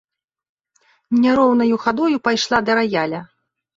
Няроўнаю хадою пайшла да раяля.